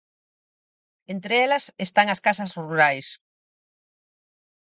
Entre elas están as casas rurais.